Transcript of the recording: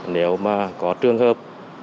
nếu mà có trường hợp